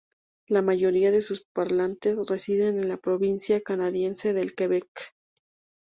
La mayoría de sus parlantes residen en la provincia canadiense del Quebec.